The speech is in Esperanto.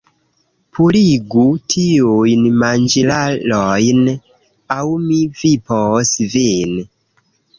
Purigu tiujn manĝilarojn! aŭ mi vipos vin!